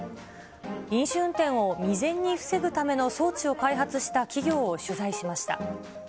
飲酒運転を未然に防ぐための装置を開発した企業を取材しました。